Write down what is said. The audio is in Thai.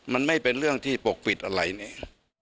มันไม่เป็นเรื่องที่ปกปิดอะไรเนี่ย